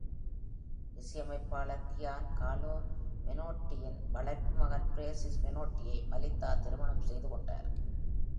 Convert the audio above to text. இசையமைப்பாளர் Gian Carlo மெனோட்டியின் வளர்ப்பு மகன் பிரான்சிஸ் மெனோட்டியை மலிந்தா திருமணம் செய்துகொண்டார்.